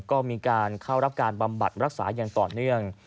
ก็มีการเข้ารับการบำบัดรักษาอย่างต่อเนื่อง